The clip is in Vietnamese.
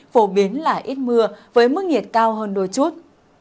phổ biến là ít mưa với mức nhiệt cao hơn đôi chút